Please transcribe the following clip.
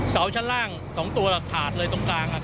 เสาชั้นล่างของตัวเหลือขาดเลยตรงกลางอ่ะครับ